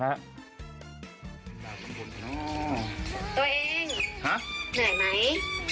ตัวเองเหนื่อยไหม